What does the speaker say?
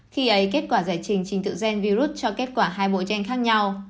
khi ấy kết quả giải trình trình tự gen virus cho kết quả hai bộ tranh khác nhau